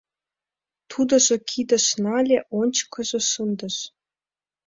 Тудыжо кидыш нале, ончыкыжо шындыш.